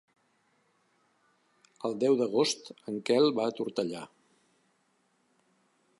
El deu d'agost en Quel va a Tortellà.